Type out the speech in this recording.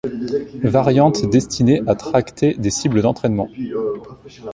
Variante destinée à tracter des cibles d'entraînement.